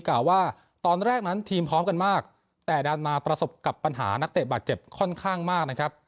กล่าวว่าตอนแรกนั้นทีมพร้อมกันมากแต่ดันมาประสบกับปัญหานักเตะบาดเจ็บค่อนข้างมากนะครับ